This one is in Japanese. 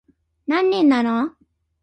何人なの